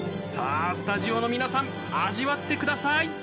さあスタジオの皆さん味わって下さい！